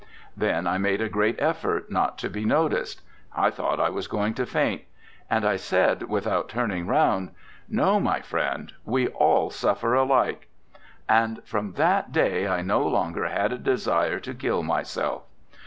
Then I made a great effort not to be noticed (I thought I was going to faint), and I said without turning round, "No, my friend, we all suffer alike." And from that day I no longer had a desire to kill myself.